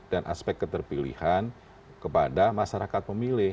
dan aspek keterpilihan kepada masyarakat pemilih